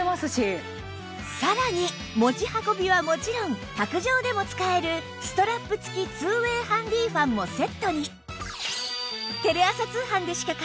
さらに持ち運びはもちろん卓上でも使えるストラップ付き ２ＷＡＹ ハンディーファンもセットに